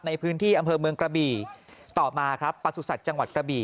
ในพื้นที่อำเภอเมืองกระบี่ต่อมาครับประสุทธิ์จังหวัดกระบี่